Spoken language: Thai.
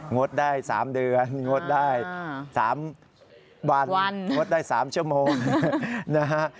งดได้๓เดือนงดได้๓วันงดได้๓ชั่วโมงนะฮะ